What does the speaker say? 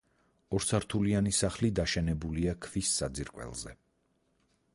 ორსართულიანი სახლი დაშენებულია ქვის საძირკველზე.